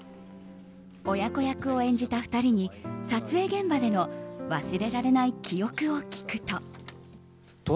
親子役を演じた２人に撮影現場での忘れられない記憶を聞くと。